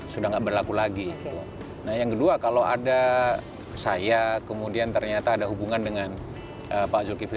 sudah enggak berlaku lagi nah yang kedua kalau ada saya kemudian ternyata ada hubungan dengan pak zulkifli